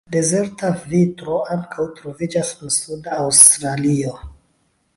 Dezerta vitro ankaŭ troviĝas en suda Aŭstralio.